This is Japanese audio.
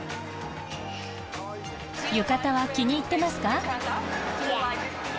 浴衣は気に入ってますか？